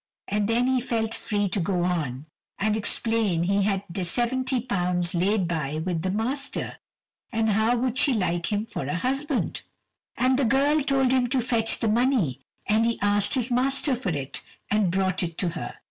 And then he felt free to go on, and explain he had £70 laid by with the master, and how would she like him for a husband. And the girl told him to fetch her the money, and he asked his master for it, and brought it to her.